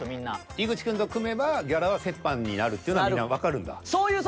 井口くんと組めばギャラは折半になるっていうのはみんなわかるんだ。